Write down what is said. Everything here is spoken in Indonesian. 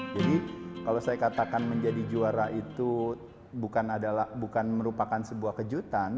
jadi kalau saya katakan menjadi juara itu bukan merupakan sebuah kejutan